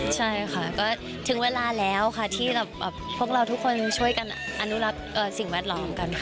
ใช่ค่ะก็ถึงเวลาแล้วค่ะที่พวกเราทุกคนช่วยกันอนุรักษ์สิ่งแวดล้อมกันค่ะ